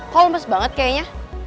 kau lemes banget kayaknya